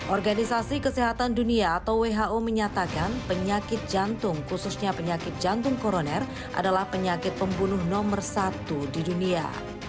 organisasi kesehatan dunia atau who menyatakan penyakit jantung khususnya penyakit jantung koroner adalah penyakit pembunuh nomor satu di dunia